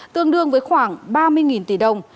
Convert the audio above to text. tương đương với khoảng ba mươi tỷ đồng